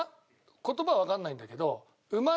言葉はわかんないんだけど馬の蹄鉄？